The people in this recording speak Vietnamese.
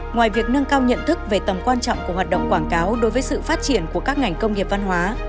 ngoài việc nâng cao nhận thức về tầm quan trọng của hoạt động quảng cáo đối với sự phát triển của các ngành công nghiệp văn hóa